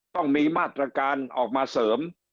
ต้องมีมาตรการออกมาเสริม